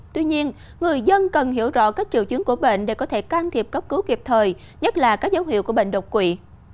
tuy nhiên người dân cần hiểu rõ các triều chứng của bệnh để có thể can thiệp cấp cứu kịp thời nhất là các dấu hiệu của bệnh độc quỷ